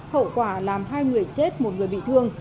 hậu quả làm hai người chết một người bị thương